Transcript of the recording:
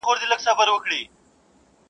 • غټ غټ راته ګوري ستا تصویر خبري نه کوي..